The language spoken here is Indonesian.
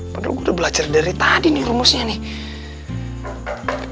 padahal gue udah belajar dari tadi nih rumusnya nih